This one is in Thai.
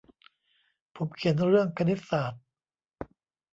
ผมเขียนเรื่องคณิตศาสตร์